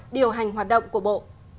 điều hành hoạt động của bộ